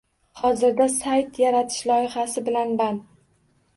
Hozirda sayt yaratish loyihasi bilan band.